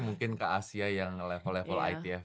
mungkin ke asia yang level level itf